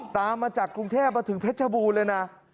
ตามมาจากกรุงเทพมาถึงเพชรบูรณเลยนะ